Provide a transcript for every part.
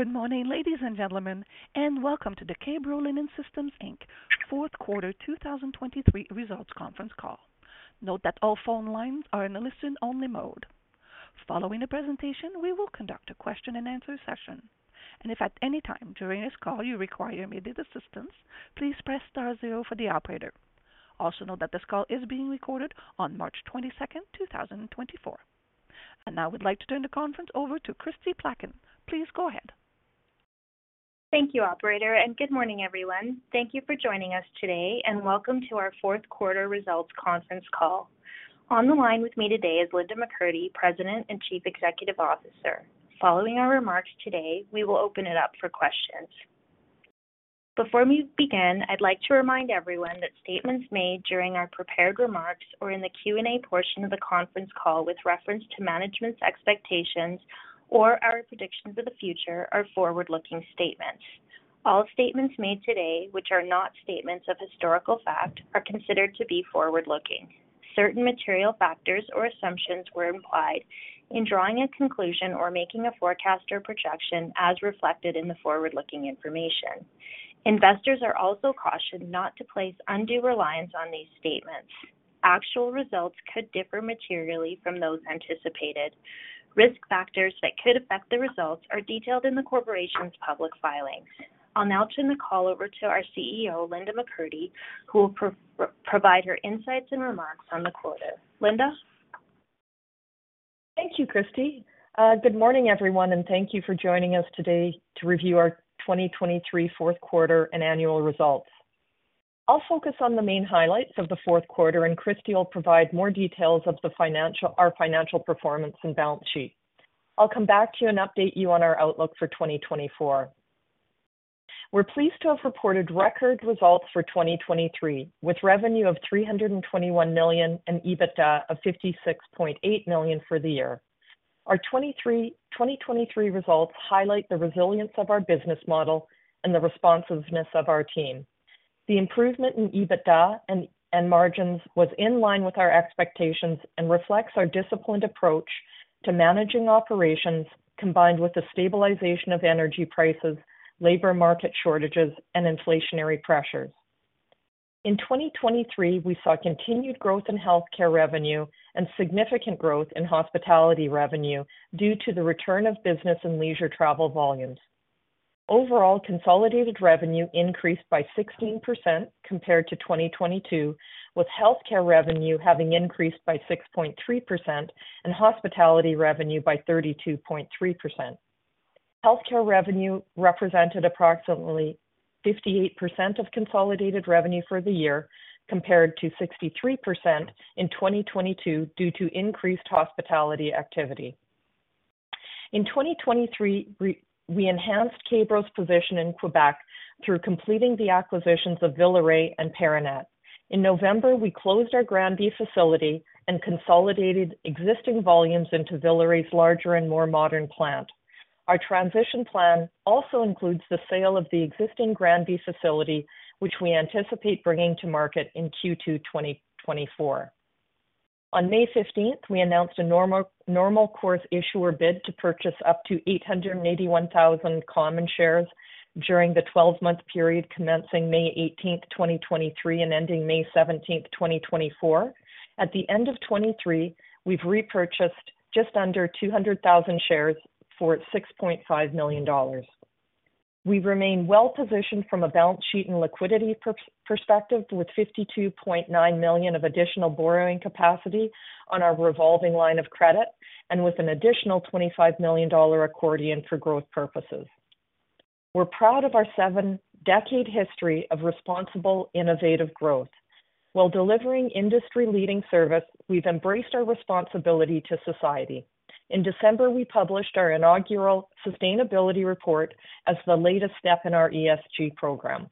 Good morning, ladies and gentlemen, and welcome to the K-Bro Linen Systems, Inc, fourth quarter 2023 results conference call. Note that all phone lines are in a listen-only mode. Following the presentation, we will conduct a question-and-answer session, and if at any time during this call you require immediate assistance, please press star zero for the operator. Also note that this call is being recorded on March 22, 2024. Now we'd like to turn the conference over to Kristie Plaquin. Please go ahead. Thank you, operator, and good morning, everyone. Thank you for joining us today, and welcome to our fourth quarter results conference call. On the line with me today is Linda McCurdy, President and Chief Executive Officer. Following our remarks today, we will open it up for questions. Before we begin, I'd like to remind everyone that statements made during our prepared remarks or in the Q&A portion of the conference call with reference to management's expectations or our predictions of the future are forward-looking statements. All statements made today which are not statements of historical fact are considered to be forward-looking. Certain material factors or assumptions were implied in drawing a conclusion or making a forecast or projection as reflected in the forward-looking information. Investors are also cautioned not to place undue reliance on these statements. Actual results could differ materially from those anticipated. Risk factors that could affect the results are detailed in the corporation's public filings. I'll now turn the call over to our CEO, Linda McCurdy, who will provide her insights and remarks on the quarter. Linda? Thank you, Kristie. Good morning, everyone, and thank you for joining us today to review our 2023 fourth quarter and annual results. I'll focus on the main highlights of the fourth quarter, and Kristie will provide more details of our financial performance and balance sheet. I'll come back to you and update you on our outlook for 2024. We're pleased to have reported record results for 2023, with revenue of 321 million and EBITDA of 56.8 million for the year. Our 2023 results highlight the resilience of our business model and the responsiveness of our team. The improvement in EBITDA and margins was in line with our expectations and reflects our disciplined approach to managing operations combined with the stabilization of energy prices, labor market shortages, and inflationary pressures. In 2023, we saw continued growth in healthcare revenue and significant growth in hospitality revenue due to the return of business and leisure travel volumes. Overall, consolidated revenue increased by 16% compared to 2022, with healthcare revenue having increased by 6.3% and hospitality revenue by 32.3%. Healthcare revenue represented approximately 58% of consolidated revenue for the year compared to 63% in 2022 due to increased hospitality activity. In 2023, we enhanced K-Bro's position in Quebec through completing the acquisitions of Villeray and Paranet. In November, we closed our Granby facility and consolidated existing volumes into Villeray's larger and more modern plant. Our transition plan also includes the sale of the existing Granby facility, which we anticipate bringing to market in Q2 2024. On May 15, we announced a normal-course issuer bid to purchase up to 881,000 common shares during the 12-month period commencing May 18, 2023 and ending May 17, 2024. At the end of 2023, we've repurchased just under 200,000 shares for 6.5 million dollars. We remain well-positioned from a balance sheet and liquidity perspective, with 52.9 million of additional borrowing capacity on our revolving line of credit and with an additional 25 million dollar accordion for growth purposes. We're proud of our seven-decade history of responsible, innovative growth. While delivering industry-leading service, we've embraced our responsibility to society. In December, we published our inaugural sustainability report as the latest step in our ESG program.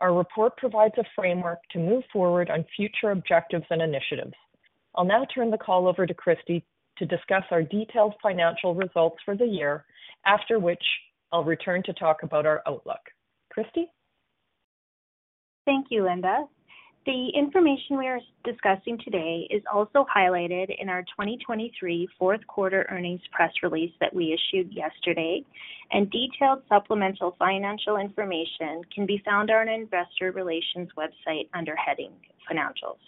Our report provides a framework to move forward on future objectives and initiatives. I'll now turn the call over to Kristie to discuss our detailed financial results for the year, after which I'll return to talk about our outlook. Kristie? Thank you, Linda. The information we are discussing today is also highlighted in our 2023 fourth quarter earnings press release that we issued yesterday, and detailed supplemental financial information can be found on our investor relations website under heading Financials.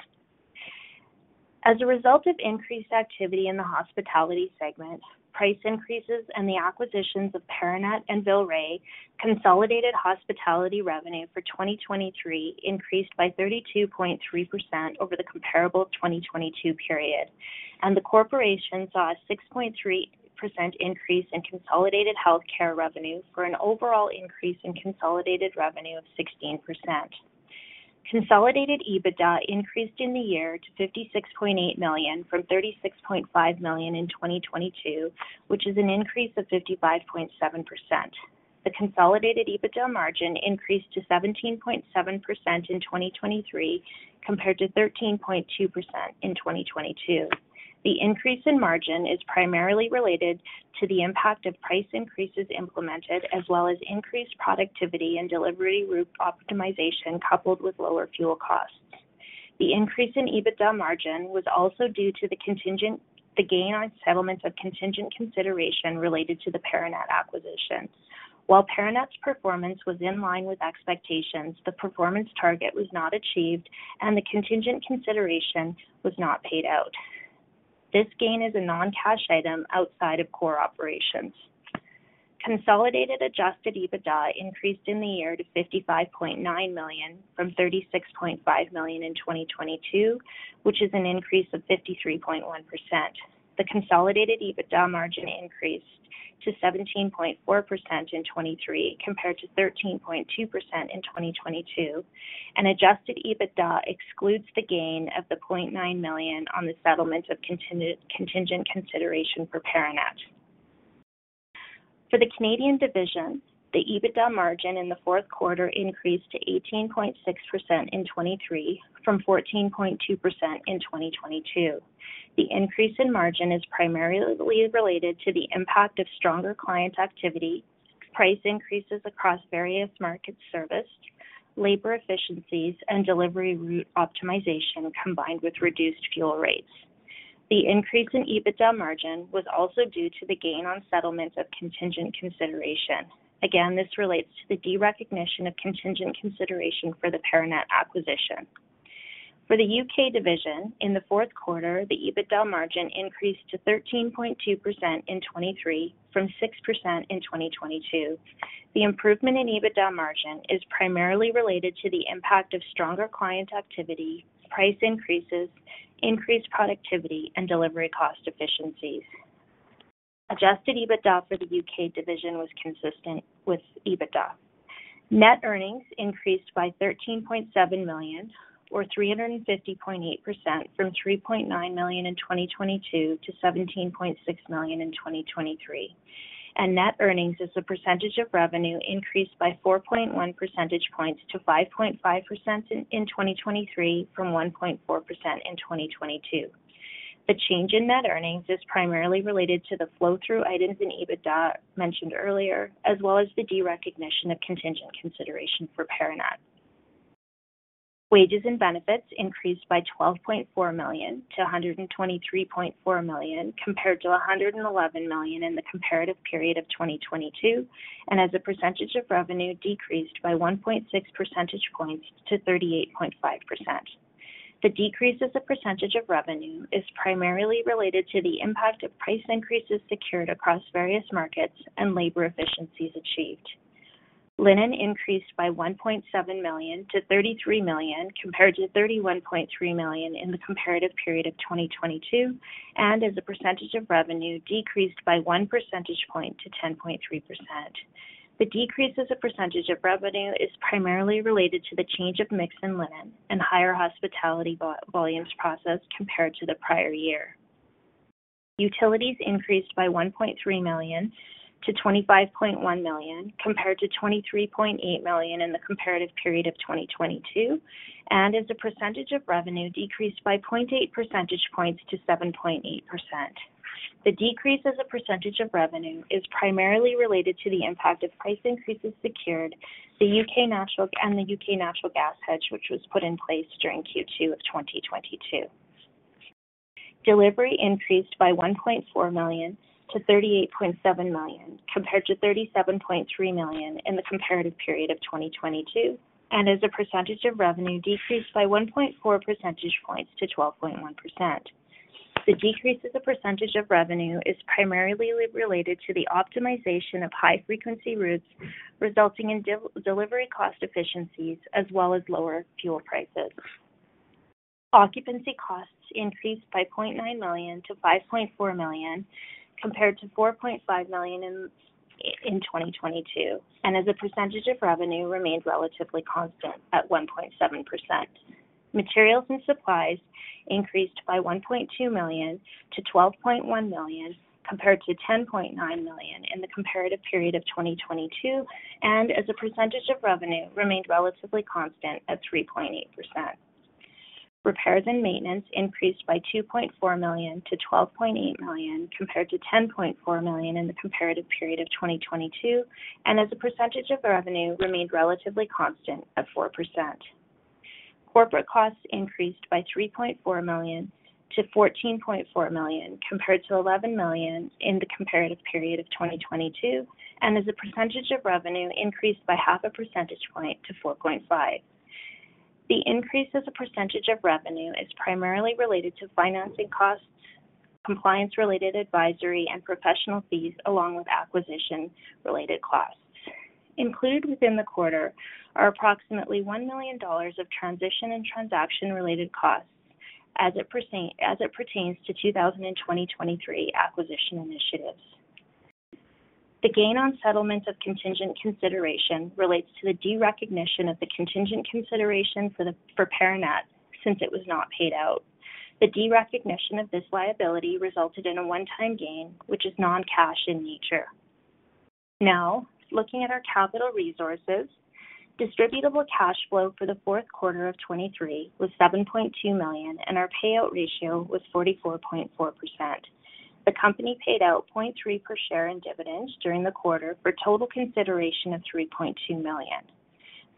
As a result of increased activity in the hospitality segment, price increases and the acquisitions of Paranet and Villeray, consolidated hospitality revenue for 2023 increased by 32.3% over the comparable 2022 period, and the corporation saw a 6.3% increase in consolidated healthcare revenue for an overall increase in consolidated revenue of 16%. Consolidated EBITDA increased in the year to 56.8 million from 36.5 million in 2022, which is an increase of 55.7%. The consolidated EBITDA margin increased to 17.7% in 2023 compared to 13.2% in 2022. The increase in margin is primarily related to the impact of price increases implemented as well as increased productivity and delivery route optimization coupled with lower fuel costs. The increase in EBITDA margin was also due to the gain on settlements of contingent consideration related to the Paranet acquisition. While Paranet's performance was in line with expectations, the performance target was not achieved, and the contingent consideration was not paid out. This gain is a non-cash item outside of core operations. Consolidated adjusted EBITDA increased in the year to 55.9 million from 36.5 million in 2022, which is an increase of 53.1%. The consolidated EBITDA margin increased to 17.4% in 2023 compared to 13.2% in 2022, and adjusted EBITDA excludes the gain of 0.9 million on the settlement of contingent consideration for Paranet. For the Canadian division, the EBITDA margin in the fourth quarter increased to 18.6% in 2023 from 14.2% in 2022. The increase in margin is primarily related to the impact of stronger client activity, price increases across various markets serviced, labor efficiencies, and delivery route optimization combined with reduced fuel rates. The increase in EBITDA margin was also due to the gain on settlements of contingent consideration. Again, this relates to the derecognition of contingent consideration for the Paranet acquisition. For the U.K. division, in the fourth quarter, the EBITDA margin increased to 13.2% in 2023 from 6% in 2022. The improvement in EBITDA margin is primarily related to the impact of stronger client activity, price increases, increased productivity, and delivery cost efficiencies. Adjusted EBITDA for the U.K. division was consistent with EBITDA. Net earnings increased by 13.7 million, or 350.8%, from 3.9 million in 2022 to 17.6 million in 2023, and net earnings as a percentage of revenue increased by 4.1 percentage points to 5.5% in 2023 from 1.4% in 2022. The change in net earnings is primarily related to the flow-through items in EBITDA mentioned earlier, as well as the derecognition of contingent consideration for Paranet. Wages and benefits increased by 12.4 million to 123.4 million compared to 111 million in the comparative period of 2022, and as a percentage of revenue decreased by 1.6 percentage points to 38.5%. The decrease as a percentage of revenue is primarily related to the impact of price increases secured across various markets and labor efficiencies achieved. Linen increased by 1.7 million to 33 million compared to 31.3 million in the comparative period of 2022, and as a percentage of revenue decreased by 1 percentage point to 10.3%. The decrease as a percentage of revenue is primarily related to the change of mix in linen and higher hospitality volumes processed compared to the prior year. Utilities increased by 1.3 million to 25.1 million compared to 23.8 million in the comparative period of 2022, and as a percentage of revenue decreased by 0.8 percentage points to 7.8%. The decrease as a percentage of revenue is primarily related to the impact of price increases secured, the U.K. natural gas hedge, which was put in place during Q2 of 2022. Delivery increased by 1.4 million to 38.7 million compared to 37.3 million in the comparative period of 2022, and as a percentage of revenue decreased by 1.4 percentage points to 12.1%. The decrease as a percentage of revenue is primarily related to the optimization of high-frequency routes resulting in delivery cost efficiencies as well as lower fuel prices. Occupancy costs increased by 0.9 million to 5.4 million compared to 4.5 million in 2022, and as a percentage of revenue remained relatively constant at 1.7%. Materials and supplies increased by 1.2 million to 12.1 million compared to 10.9 million in the comparative period of 2022, and as a percentage of revenue remained relatively constant at 3.8%. Repairs and maintenance increased by 2.4 million to 12.8 million compared to 10.4 million in the comparative period of 2022, and as a percentage of revenue remained relatively constant at 4%. Corporate costs increased by 3.4 million to 14.4 million compared to 11 million in the comparative period of 2022, and as a percentage of revenue increased by half a percentage point to 4.5%. The increase as a percentage of revenue is primarily related to financing costs, compliance-related advisory and professional fees, along with acquisition-related costs. Included within the quarter are approximately 1 million dollars of transition and transaction-related costs as it pertains to 2020-2023 acquisition initiatives. The gain on settlements of contingent consideration relates to the derecognition of the contingent consideration for Paranet since it was not paid out. The derecognition of this liability resulted in a one-time gain, which is non-cash in nature. Now, looking at our capital resources, distributable cash flow for the fourth quarter of 2023 was 7.2 million, and our payout ratio was 44.4%. The company paid out 0.3% per share in dividends during the quarter for total consideration of 3.2 million.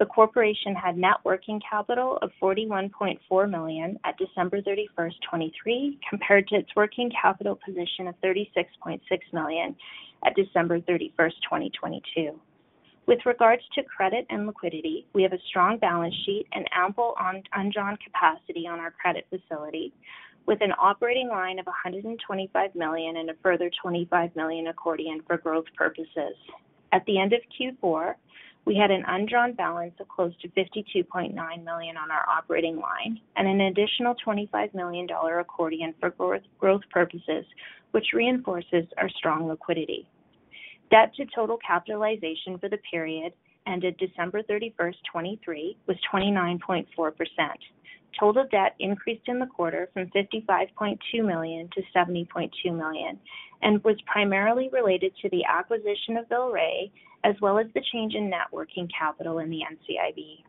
The corporation had net working capital of 41.4 million at December 31, 2023, compared to its working capital position of 36.6 million at December 31, 2022. With regards to credit and liquidity, we have a strong balance sheet and ample undrawn capacity on our credit facility, with an operating line of 125 million and a further 25 million accordion for growth purposes. At the end of Q4, we had an undrawn balance of close to 52.9 million on our operating line and an additional 25 million dollar accordion for growth purposes, which reinforces our strong liquidity. Debt to total capitalization for the period ended December 31, 2023, was 29.4%. Total debt increased in the quarter from 55.2 million to 70.2 million and was primarily related to the acquisition of Villeray as well as the change in net working capital in the NCIB.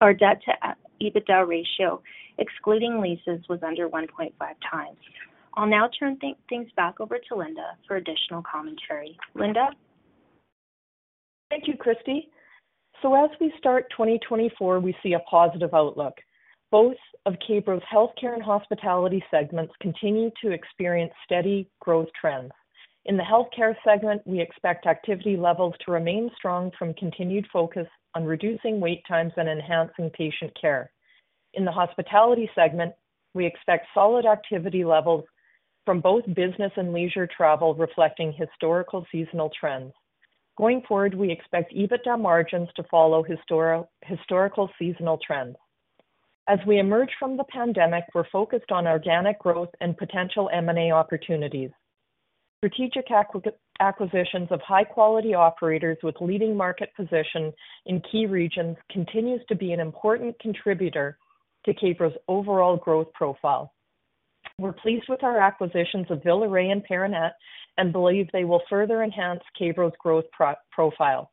Our debt to EBITDA ratio, excluding leases, was under 1.5x. I'll now turn things back over to Linda for additional commentary. Linda? Thank you, Kristie. So as we start 2024, we see a positive outlook. Both of K-Bro's healthcare and hospitality segments continue to experience steady growth trends. In the healthcare segment, we expect activity levels to remain strong from continued focus on reducing wait times and enhancing patient care. In the hospitality segment, we expect solid activity levels from both business and leisure travel reflecting historical seasonal trends. Going forward, we expect EBITDA margins to follow historical seasonal trends. As we emerge from the pandemic, we're focused on organic growth and potential M&A opportunities. Strategic acquisitions of high-quality operators with leading market positions in key regions continue to be an important contributor to K-Bro's overall growth profile. We're pleased with our acquisitions of Villeray and Paranet and believe they will further enhance K-Bro's growth profile.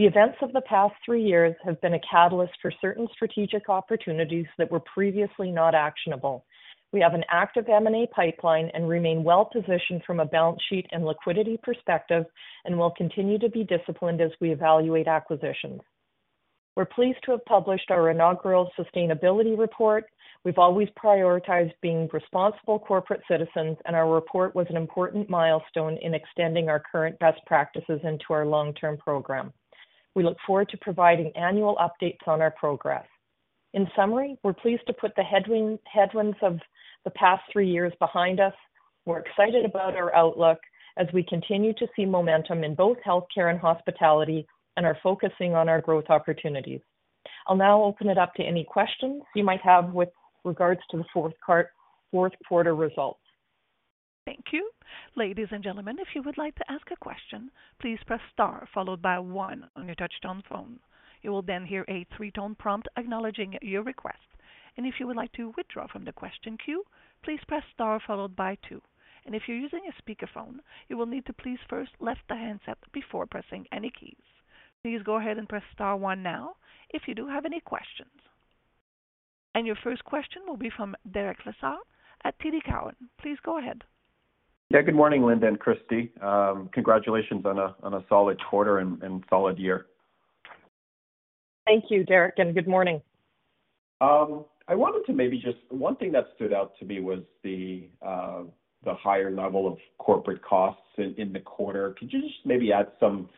The events of the past three years have been a catalyst for certain strategic opportunities that were previously not actionable. We have an active M&A pipeline and remain well-positioned from a balance sheet and liquidity perspective, and we'll continue to be disciplined as we evaluate acquisitions. We're pleased to have published our inaugural sustainability report. We've always prioritized being responsible corporate citizens, and our report was an important milestone in extending our current best practices into our long-term program. We look forward to providing annual updates on our progress. In summary, we're pleased to put the headwinds of the past three years behind us. We're excited about our outlook as we continue to see momentum in both healthcare and hospitality and are focusing on our growth opportunities. I'll now open it up to any questions you might have with regards to the fourth quarter results. Thank you. Ladies and gentlemen, if you would like to ask a question, please press star followed by one on your touch-tone phone. You will then hear a three-tone prompt acknowledging your request. If you would like to withdraw from the question queue, please press star followed by two. If you're using a speakerphone, you will need to please first lift the handset before pressing any keys. Please go ahead and press star one now if you do have any questions. Your first question will be from Derek Lessard at TD Cowen. Please go ahead. Yeah, good morning, Linda and Kristie. Congratulations on a solid quarter and solid year. Thank you, Derek, and good morning. I wanted to maybe just one thing that stood out to me was the higher level of corporate costs in the quarter. Could you just maybe add some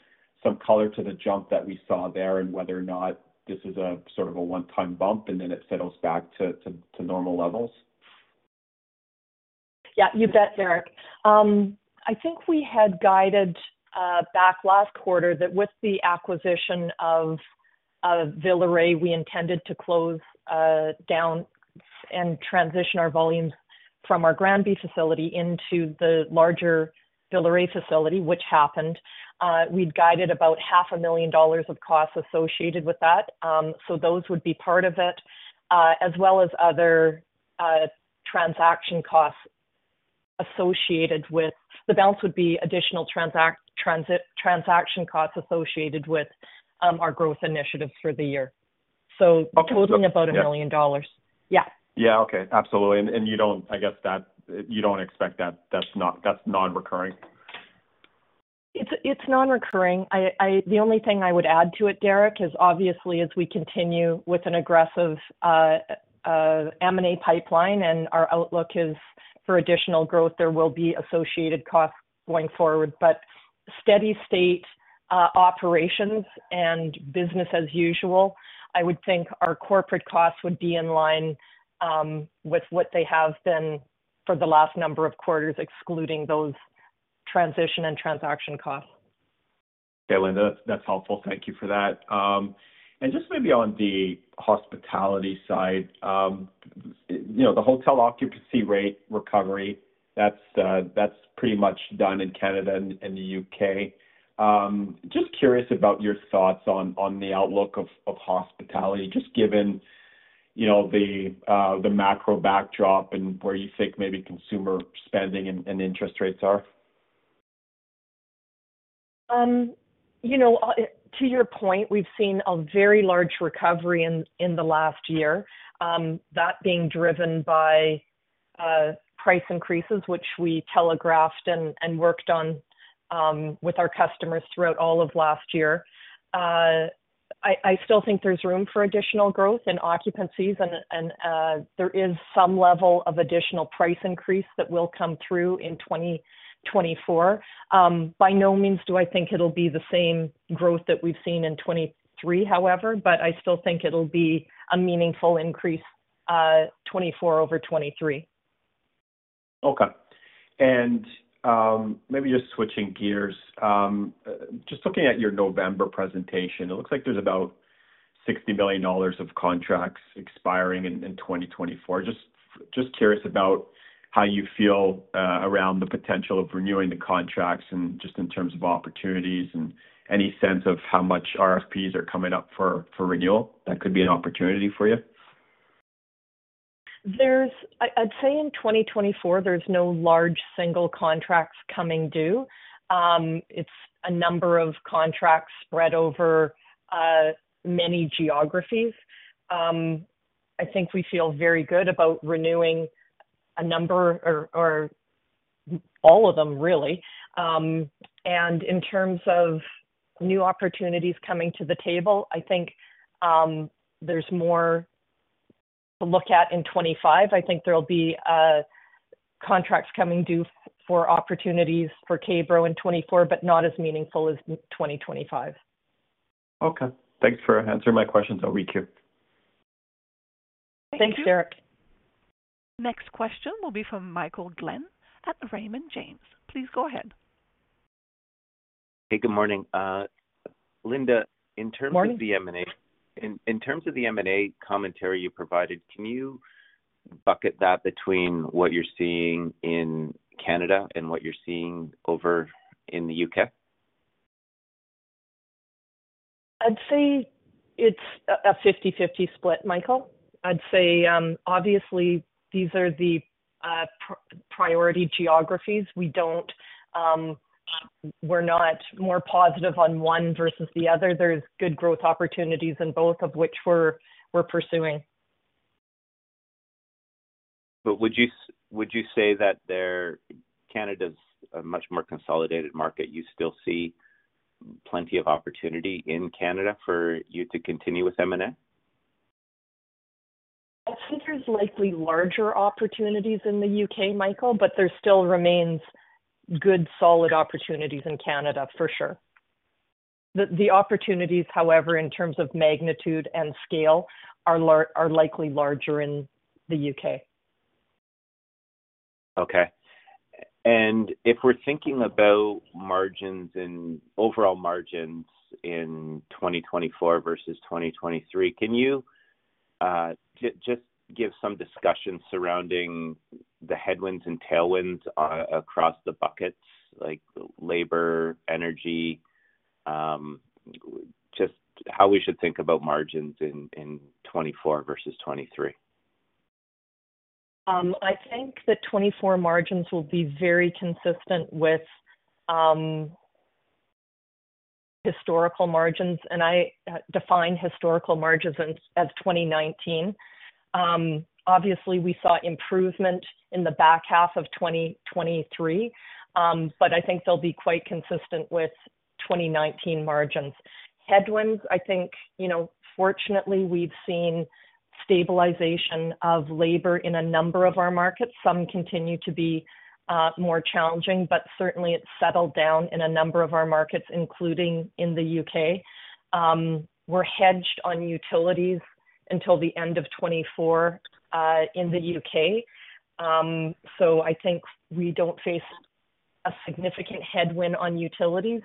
color to the jump that we saw there and whether or not this is sort of a one-time bump and then it settles back to normal levels? Yeah, you bet, Derek. I think we had guided back last quarter that with the acquisition of Villeray, we intended to close down and transition our volumes from our Granby facility into the larger Villeray facility, which happened. We'd guided about 500,000 dollars of costs associated with that. So those would be part of it, as well as other transaction costs associated with the balance would be additional transaction costs associated with our growth initiatives for the year. So totaling about 1 million dollars. Yeah. Yeah, okay. Absolutely. And I guess you don't expect that that's non-recurring? It's non-recurring. The only thing I would add to it, Derek, is obviously, as we continue with an aggressive M&A pipeline and our outlook is for additional growth, there will be associated costs going forward. But steady state operations and business as usual, I would think our corporate costs would be in line with what they have been for the last number of quarters, excluding those transition and transaction costs. Yeah, Linda, that's helpful. Thank you for that. Just maybe on the hospitality side, the hotel occupancy rate recovery, that's pretty much done in Canada and the U.K. Just curious about your thoughts on the outlook of hospitality, just given the macro backdrop and where you think maybe consumer spending and interest rates are? To your point, we've seen a very large recovery in the last year, that being driven by price increases, which we telegraphed and worked on with our customers throughout all of last year. I still think there's room for additional growth in occupancies, and there is some level of additional price increase that will come through in 2024. By no means do I think it'll be the same growth that we've seen in 2023, however, but I still think it'll be a meaningful increase 2024 over 2023. Okay. Maybe just switching gears, just looking at your November presentation, it looks like there's about 60 million dollars of contracts expiring in 2024. Just curious about how you feel around the potential of renewing the contracts and just in terms of opportunities and any sense of how much RFPs are coming up for renewal that could be an opportunity for you? I'd say in 2024, there's no large single contracts coming due. It's a number of contracts spread over many geographies. I think we feel very good about renewing a number or all of them, really. In terms of new opportunities coming to the table, I think there's more to look at in 2025. I think there'll be contracts coming due for opportunities for K-Bro in 2024, but not as meaningful as 2025. Okay. Thanks for answering my questions. I'll requeue. Thanks, Derek. Thank you. Next question will be from Michael Glen at Raymond James. Please go ahead. Hey, good morning. Linda, in terms of the M&A. Morning. In terms of the M&A commentary you provided, can you bucket that between what you're seeing in Canada and what you're seeing over in the U.K.? I'd say it's a 50/50 split, Michael. I'd say, obviously, these are the priority geographies. We're not more positive on one versus the other. There's good growth opportunities in both, of which we're pursuing. Would you say that Canada's a much more consolidated market? You still see plenty of opportunity in Canada for you to continue with M&A? I think there's likely larger opportunities in the U.K., Michael, but there still remains good, solid opportunities in Canada, for sure. The opportunities, however, in terms of magnitude and scale, are likely larger in the U.K. Okay. And if we're thinking about margins and overall margins in 2024 versus 2023, can you just give some discussion surrounding the headwinds and tailwinds across the buckets, like labor, energy, just how we should think about margins in 2024 versus 2023? I think that 2024 margins will be very consistent with historical margins. I define historical margins as 2019. Obviously, we saw improvement in the back half of 2023, but I think they'll be quite consistent with 2019 margins. Headwinds, I think fortunately, we've seen stabilization of labor in a number of our markets. Some continue to be more challenging, but certainly, it's settled down in a number of our markets, including in the U.K. We're hedged on utilities until the end of 2024 in the U.K. I think we don't face a significant headwind on utilities.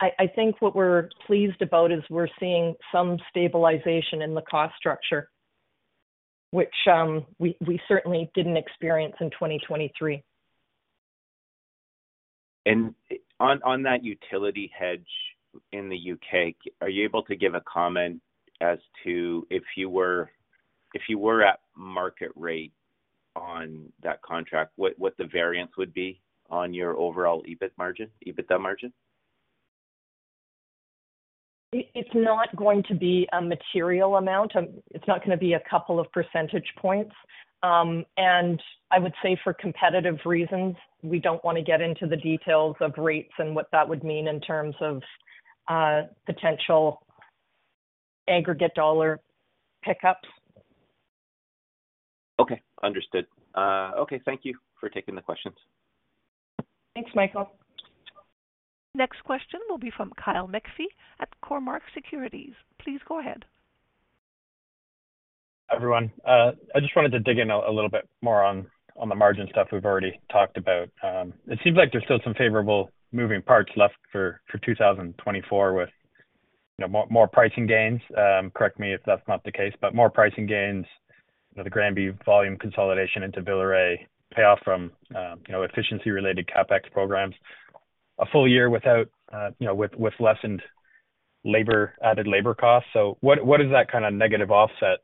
I think what we're pleased about is we're seeing some stabilization in the cost structure, which we certainly didn't experience in 2023. On that utility hedge in the U.K., are you able to give a comment as to if you were at market rate on that contract, what the variance would be on your overall EBIT margin, EBITDA margin? It's not going to be a material amount. It's not going to be a couple of percentage points. I would say for competitive reasons, we don't want to get into the details of rates and what that would mean in terms of potential aggregate dollar pickups. Okay. Understood. Okay. Thank you for taking the questions. Thanks, Michael. Next question will be from Kyle McPhee at Cormark Securities. Please go ahead. Hi everyone. I just wanted to dig in a little bit more on the margin stuff we've already talked about. It seems like there's still some favorable moving parts left for 2024 with more pricing gains. Correct me if that's not the case, but more pricing gains, the Granby volume consolidation into Villeray, payoff from efficiency-related CapEx programs, a full year with lessened added labor costs. So what is that kind of negative offset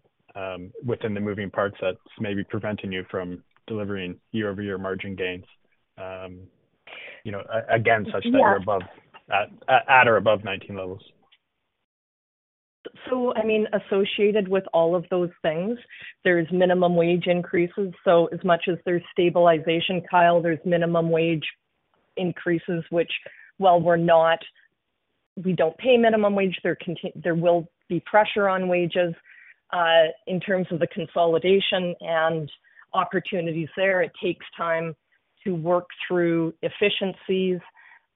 within the moving parts that's maybe preventing you from delivering year-over-year margin gains, again, such that you're at or above 19 levels? So I mean, associated with all of those things, there's minimum wage increases. So as much as there's stabilization, Kyle, there's minimum wage increases, which, while we're not we don't pay minimum wage, there will be pressure on wages. In terms of the consolidation and opportunities there, it takes time to work through efficiencies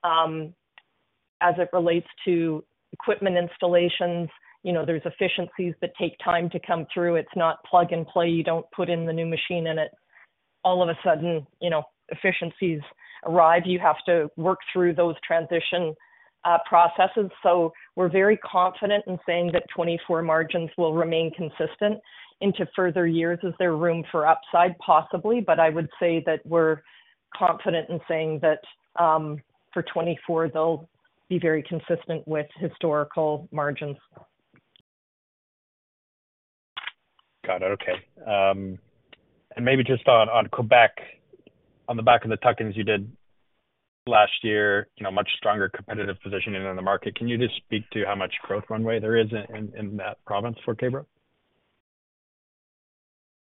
as it relates to equipment installations. There's efficiencies that take time to come through. It's not plug-and-play. You don't put in the new machine and all of a sudden, efficiencies arrive. You have to work through those transition processes. So we're very confident in saying that 2024 margins will remain consistent into further years as there's room for upside, possibly. But I would say that we're confident in saying that for 2024, they'll be very consistent with historical margins. Got it. Okay. Maybe just on Quebec, on the back of the tuck-ins you did last year, much stronger competitive positioning in the market, can you just speak to how much growth runway there is in that province for K-Bro?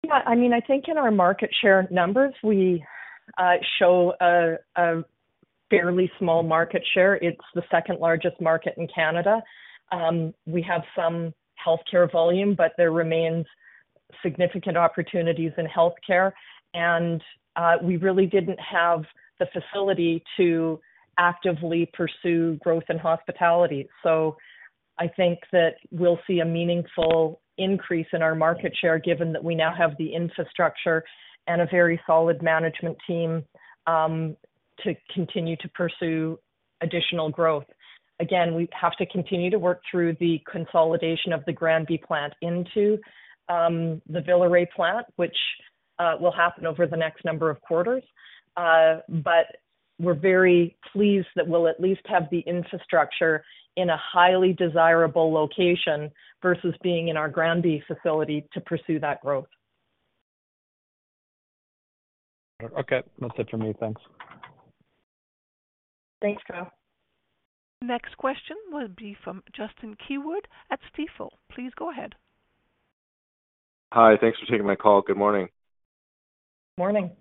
Yeah. I mean, I think in our market share numbers, we show a fairly small market share. It's the second largest market in Canada. We have some healthcare volume, but there remains significant opportunities in healthcare. We really didn't have the facility to actively pursue growth in hospitality. So I think that we'll see a meaningful increase in our market share given that we now have the infrastructure and a very solid management team to continue to pursue additional growth. Again, we have to continue to work through the consolidation of the Granby plant into the Villeray plant, which will happen over the next number of quarters. But we're very pleased that we'll at least have the infrastructure in a highly desirable location versus being in our Granby facility to pursue that growth. Got it. Okay. That's it for me. Thanks. Thanks, Kyle. Next question will be from Justin Keywood at Stifel. Please go ahead. Hi. Thanks for taking my call. Good morning. Morning.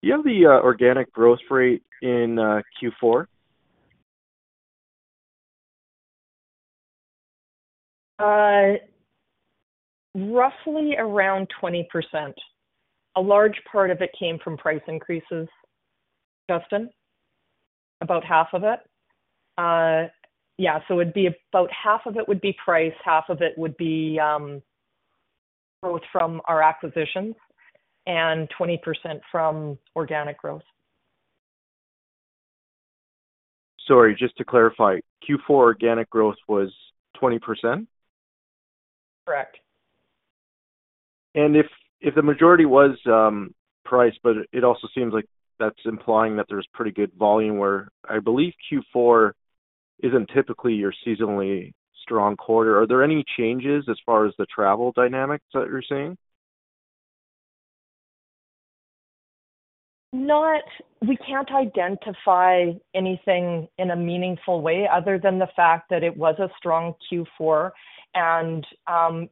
Do you have the organic growth rate in Q4? Roughly around 20%. A large part of it came from price increases, Justin, about half of it. Yeah. So about half of it would be price, half of it would be growth from our acquisitions, and 20% from organic growth. Sorry, just to clarify, Q4 organic growth was 20%? Correct. If the majority was price, but it also seems like that's implying that there's pretty good volume where I believe Q4 isn't typically your seasonally strong quarter. Are there any changes as far as the travel dynamics that you're seeing? We can't identify anything in a meaningful way other than the fact that it was a strong Q4 and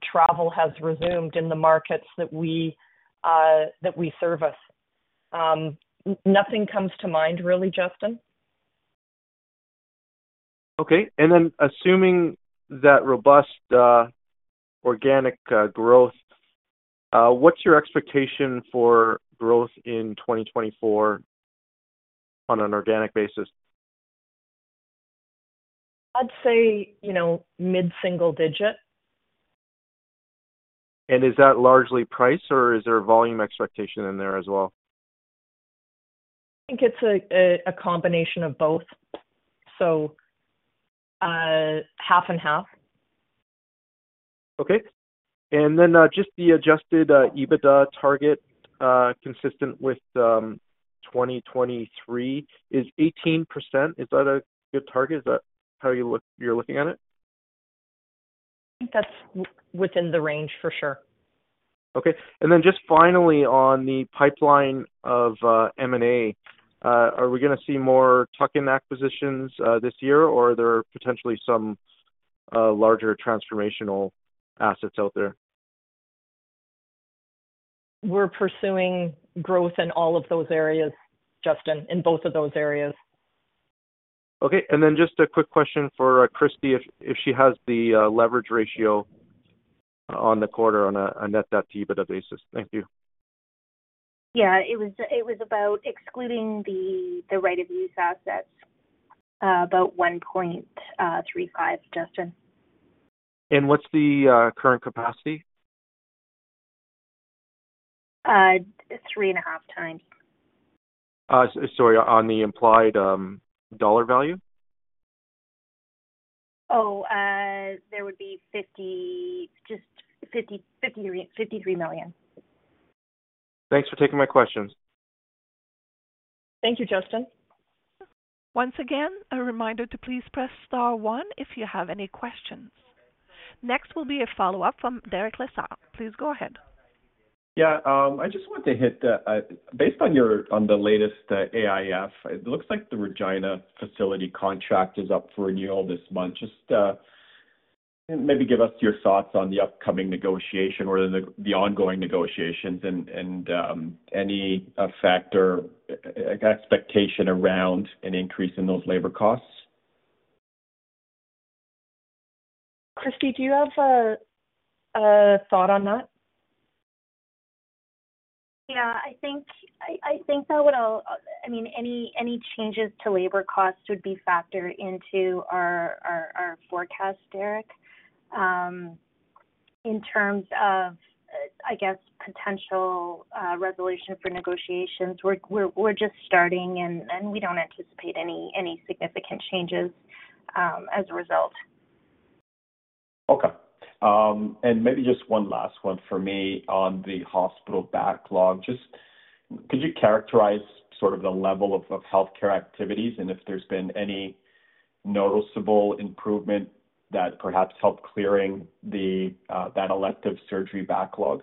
travel has resumed in the markets that we service. Nothing comes to mind, really, Justin. Okay. And then assuming that robust organic growth, what's your expectation for growth in 2024 on an organic basis? I'd say mid-single digit. Is that largely price, or is there a volume expectation in there as well? I think it's a combination of both, so half and half. Okay. And then just the Adjusted EBITDA target consistent with 2023 is 18%. Is that a good target? Is that how you're looking at it? I think that's within the range, for sure. Okay. And then just finally, on the pipeline of M&A, are we going to see more tuck-in acquisitions this year, or are there potentially some larger transformational assets out there? We're pursuing growth in all of those areas, Justin, in both of those areas. Okay. And then just a quick question for Kristie if she has the leverage ratio on the quarter on a net debt to EBITDA basis? Thank you. Yeah. It was about excluding the right-of-use assets, about 1.35, Justin. What's the current capacity? 3.5x. Sorry, on the implied dollar value? Oh, there would be just 53 million. Thanks for taking my questions. Thank you, Justin. Once again, a reminder to please press star one if you have any questions. Next will be a follow-up from Derek Lessard. Please go ahead. Yeah. I just want to hit based on the latest AIF, it looks like the Regina facility contract is up for renewal this month. Just maybe give us your thoughts on the upcoming negotiation or the ongoing negotiations and any factor, expectation around an increase in those labor costs. Kristie, do you have a thought on that? Yeah. I think that would all, I mean, any changes to labor costs would be factored into our forecast, Derek, in terms of, I guess, potential resolution for negotiations. We're just starting, and we don't anticipate any significant changes as a result. Okay. And maybe just one last one for me on the hospital backlog. Could you characterize sort of the level of healthcare activities and if there's been any noticeable improvement that perhaps helped clearing that elective surgery backlog?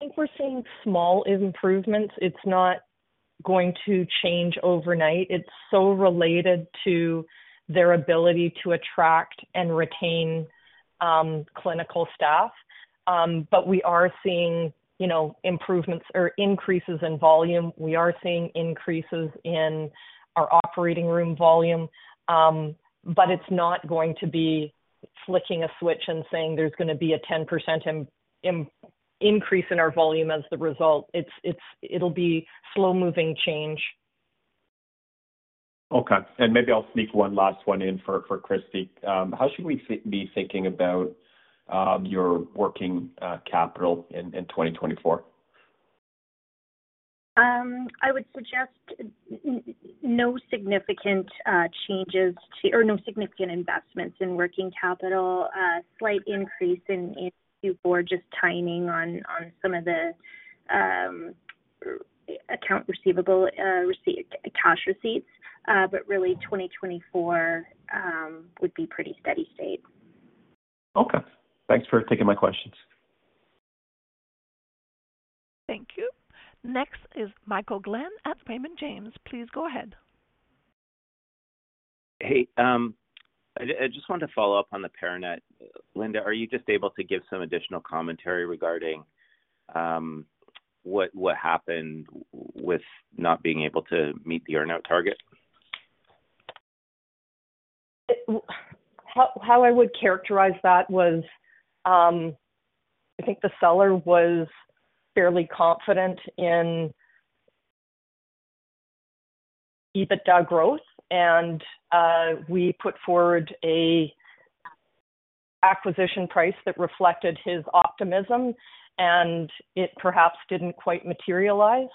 I think we're seeing small improvements. It's not going to change overnight. It's so related to their ability to attract and retain clinical staff. But we are seeing improvements or increases in volume. We are seeing increases in our operating room volume. But it's not going to be flicking a switch and saying there's going to be a 10% increase in our volume as the result. It'll be slow-moving change. Okay. Maybe I'll sneak one last one in for Kristie. How should we be thinking about your working capital in 2024? I would suggest no significant changes to or no significant investments in working capital. Slight increase in Q4, just timing on some of the account receivable cash receipts. But really, 2024 would be pretty steady state. Okay. Thanks for taking my questions. Thank you. Next is Michael Glen at Raymond James. Please go ahead. Hey. I just wanted to follow up on the Paranet. Linda, are you just able to give some additional commentary regarding what happened with not being able to meet the earnout target? How I would characterize that was I think the seller was fairly confident in EBITDA growth, and we put forward an acquisition price that reflected his optimism, and it perhaps didn't quite materialize.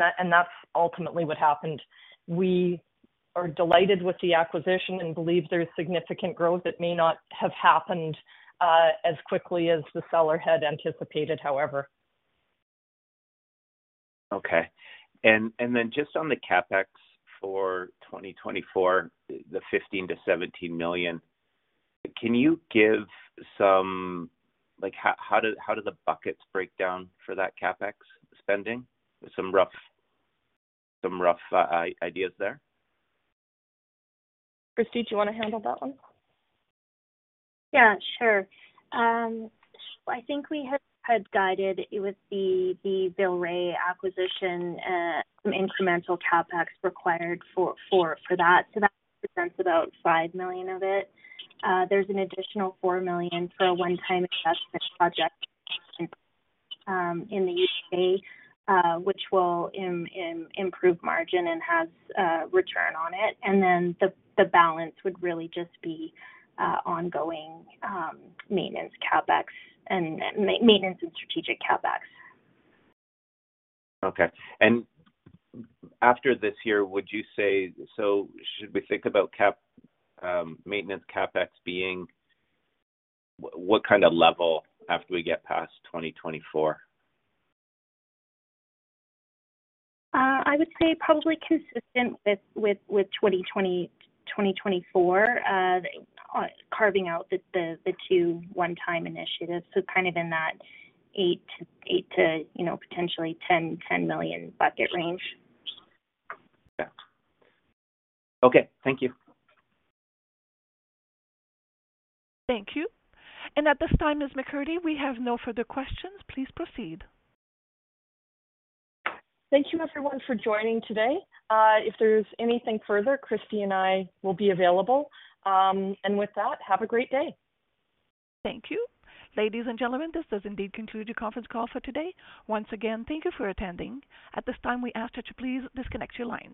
That's ultimately what happened. We are delighted with the acquisition and believe there's significant growth. It may not have happened as quickly as the seller had anticipated, however. Okay. And then just on the CapEx for 2024, the 15 million-17 million, can you give some, how do the buckets break down for that CapEx spending? Some rough ideas there? Kristie, do you want to handle that one? Yeah. Sure. So I think we had guided it with the Villeray acquisition, some incremental CapEx required for that. So that represents about 5 million of it. There's an additional 4 million for a one-time investment project in the U.K., which will improve margin and has return on it. And then the balance would really just be ongoing maintenance CapEx and maintenance and strategic CapEx. Okay. After this year, would you say so should we think about maintenance CapEx being what kind of level after we get past 2024? I would say probably consistent with 2024, carving out the two one-time initiatives. So kind of in that 8 million to potentially 10 million bucket range. Okay. Okay. Thank you. Thank you. At this time, Ms. McCurdy, we have no further questions. Please proceed. Thank you, everyone, for joining today. If there's anything further, Kristie and I will be available. And with that, have a great day. Thank you. Ladies and gentlemen, this does indeed conclude your conference call for today. Once again, thank you for attending. At this time, we ask that you please disconnect your line.